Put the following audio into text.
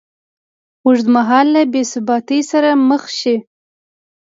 ه اوږدمهاله بېثباتۍ سره مخ شي